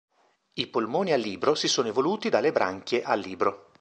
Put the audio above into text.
I polmoni a libro si sono evoluti dalle branchie a libro.